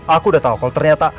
aku udah tahu kalau ternyata